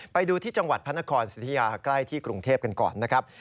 ไปดูที่จังหวัดพระนครสิทธิยาใกล้ที่กรุงเทพกันก่อนนะครับ